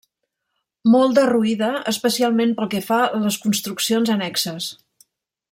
Molt derruïda, especialment pel que fa a les construccions annexes.